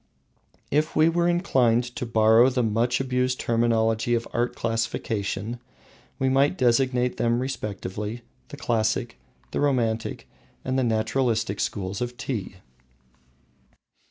If we were inclined to borrow the much abused terminology of art classification, we might designate them respectively, the Classic, the Romantic, and the Naturalistic schools of Tea.